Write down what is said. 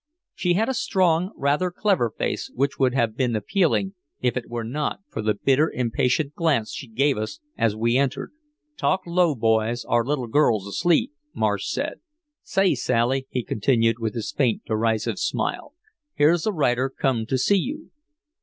She had a strong rather clever face which would have been appealing if it were not for the bitter impatient glance she gave us as we entered. "Talk low, boys, our little girl's asleep," Marsh said. "Say, Sally," he continued, with his faint, derisive smile, "here's a writer come to see you."